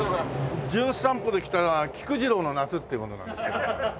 『じゅん散歩』で来た「菊次郎の夏」っていう者なんですけども。